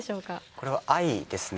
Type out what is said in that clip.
これは「Ｉ」ですね。